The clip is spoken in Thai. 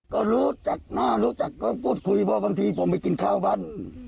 ก็รู้จักหน้ารู้จักก็พูดคุยเพราะบางทีผมไปกินข้าวบ้าน